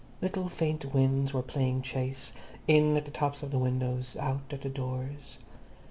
Little faint winds were playing chase, in at the tops of the windows, out at the doors.